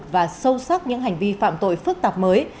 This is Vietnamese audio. và sâu sắc những hành vi phạm tội phức tạp mới